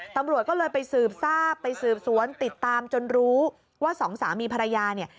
ตำรวจก็เลยไปสืบทราบไปสืบสวนติดตามจนรู้ว่าสองสามีภรรยาเนี่ย